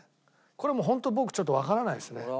これはもう本当僕ちょっとわからないですね。